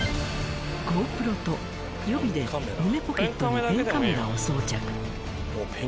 ＧｏＰｒｏと予備で胸ポケットにペンカメラを装着。